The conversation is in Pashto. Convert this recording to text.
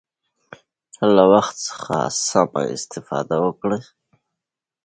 چې د خپل هېواد خدمت وکړو.